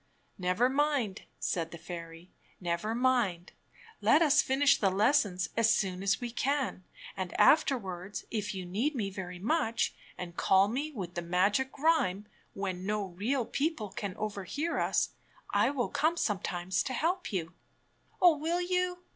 "Never mind," said the fairy, "never mind; Cf! let us finish the lessons as soon as we can; and after ward if you need me very much, and call me with the magic rhyme when no real people can overhear us, I will come sometimes to help you." Ifever miind Good News 193 "Oh, will you?"